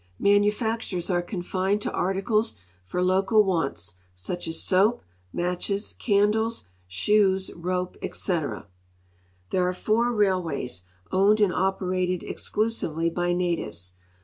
Manufactures are confined to articles for local wants, such as soap, matches, candles, shoes, rope, etc. There are four railways, owned and operated exclusively by natives.